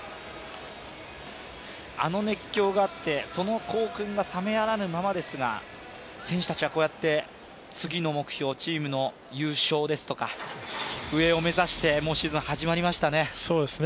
あの熱狂があって、その興奮が冷めやらぬままですが、選手たちはこうやって次の目標、チームの優勝ですとか上を目指して、もうシーズンが始まりましたね。